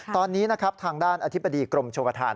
ตอนนี้นะครับทางด้านอธิบดีกรมชมประธาน